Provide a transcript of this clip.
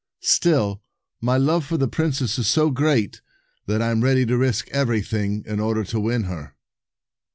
Still, my love for the princess is so great, that I am ready to risk anything in order to win her."